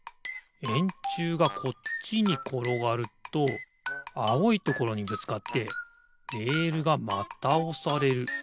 えんちゅうがこっちにころがるとあおいところにぶつかってレールがまたおされる。